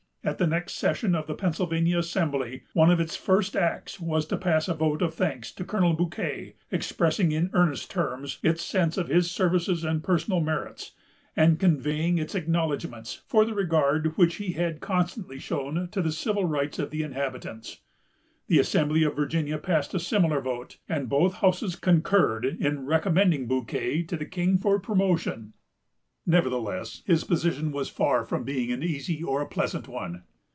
At the next session of the Pennsylvania Assembly, one of its first acts was to pass a vote of thanks to Colonel Bouquet, expressing in earnest terms its sense of his services and personal merits, and conveying its acknowledgments for the regard which he had constantly shown to the civil rights of the inhabitants. The Assembly of Virginia passed a similar vote; and both houses concurred in recommending Bouquet to the King for promotion. Nevertheless, his position was far from being an easy or a pleasant one.